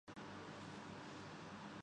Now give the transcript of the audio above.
بڑے آپریشن کی ضرورت ہے